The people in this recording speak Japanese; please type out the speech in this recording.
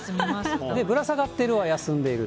ぶら下がってるは休んでいる。